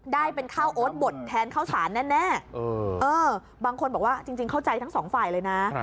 ได้เป็นข้าวโอ๊ตบดแทนข้าวสารแน่บางคนบอกว่าจริงเข้าใจทั้งสองฝ่ายเลยนะ